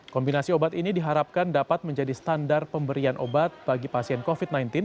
kombinasi obat ini diharapkan dapat menjadi standar pemberian obat bagi pasien covid sembilan belas